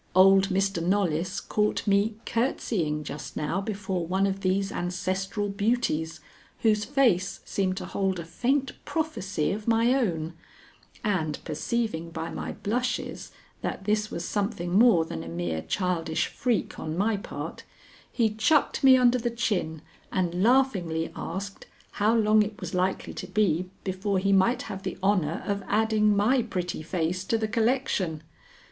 Old Mr. Knollys caught me courtesying just now before one of these ancestral beauties, whose face seemed to hold a faint prophecy of my own, and perceiving by my blushes that this was something more than a mere childish freak on my part, he chucked me under the chin and laughingly asked, how long it was likely to be before he might have the honor of adding my pretty face to the collection.